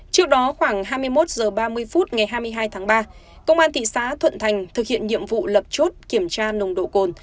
trước đó khoảng hai mươi một h ba mươi phút ngày hai mươi hai tháng ba công an thị xã thuận thành thực hiện nhiệm vụ lập chốt kiểm tra nồng độ cồn